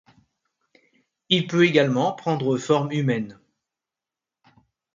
Il peut également prendre forme humaine.